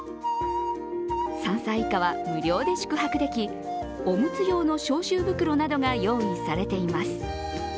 ３歳以下は無料で宿泊できおむつ用の消臭袋などが用意されています。